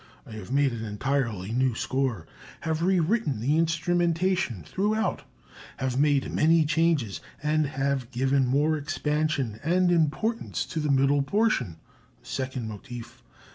I have made an entirely new score, have rewritten the instrumentation throughout, have made many changes, and have given more expansion and importance to the middle portion (second motive).